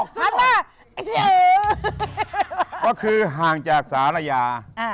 จิวห่างจากสารยา